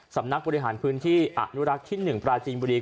สำนักบริหารพื้นที่อนุรักษ์ที่๑ปราจีนบุรี